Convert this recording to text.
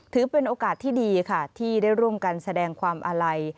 ถือเป็นโอกาสที่ดีค่ะที่ได้ร่วมกันแสดงความอาลัย